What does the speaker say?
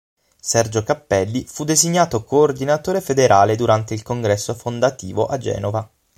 Sergio Cappelli fu designato coordinatore federale durante il congresso fondativo a Genova.